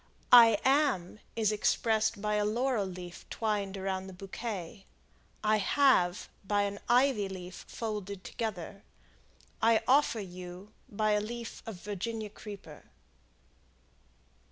"I am," is expressed by a laurel leaf twined around the bouquet. "I have," by an ivy leaf folded together. "I offer you," by a leaf of Virginia creeper.